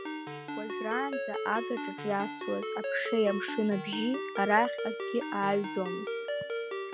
Уажәраанӡа агаҿаҿ иасуаз аԥшеи амшын абжьи арахь акгьы ааҩӡомызт.